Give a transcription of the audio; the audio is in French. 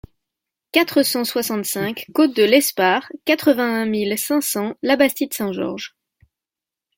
quatre cent soixante-cinq côte de Lespare, quatre-vingt-un mille cinq cents Labastide-Saint-Georges